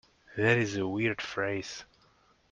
That is a weird phrase.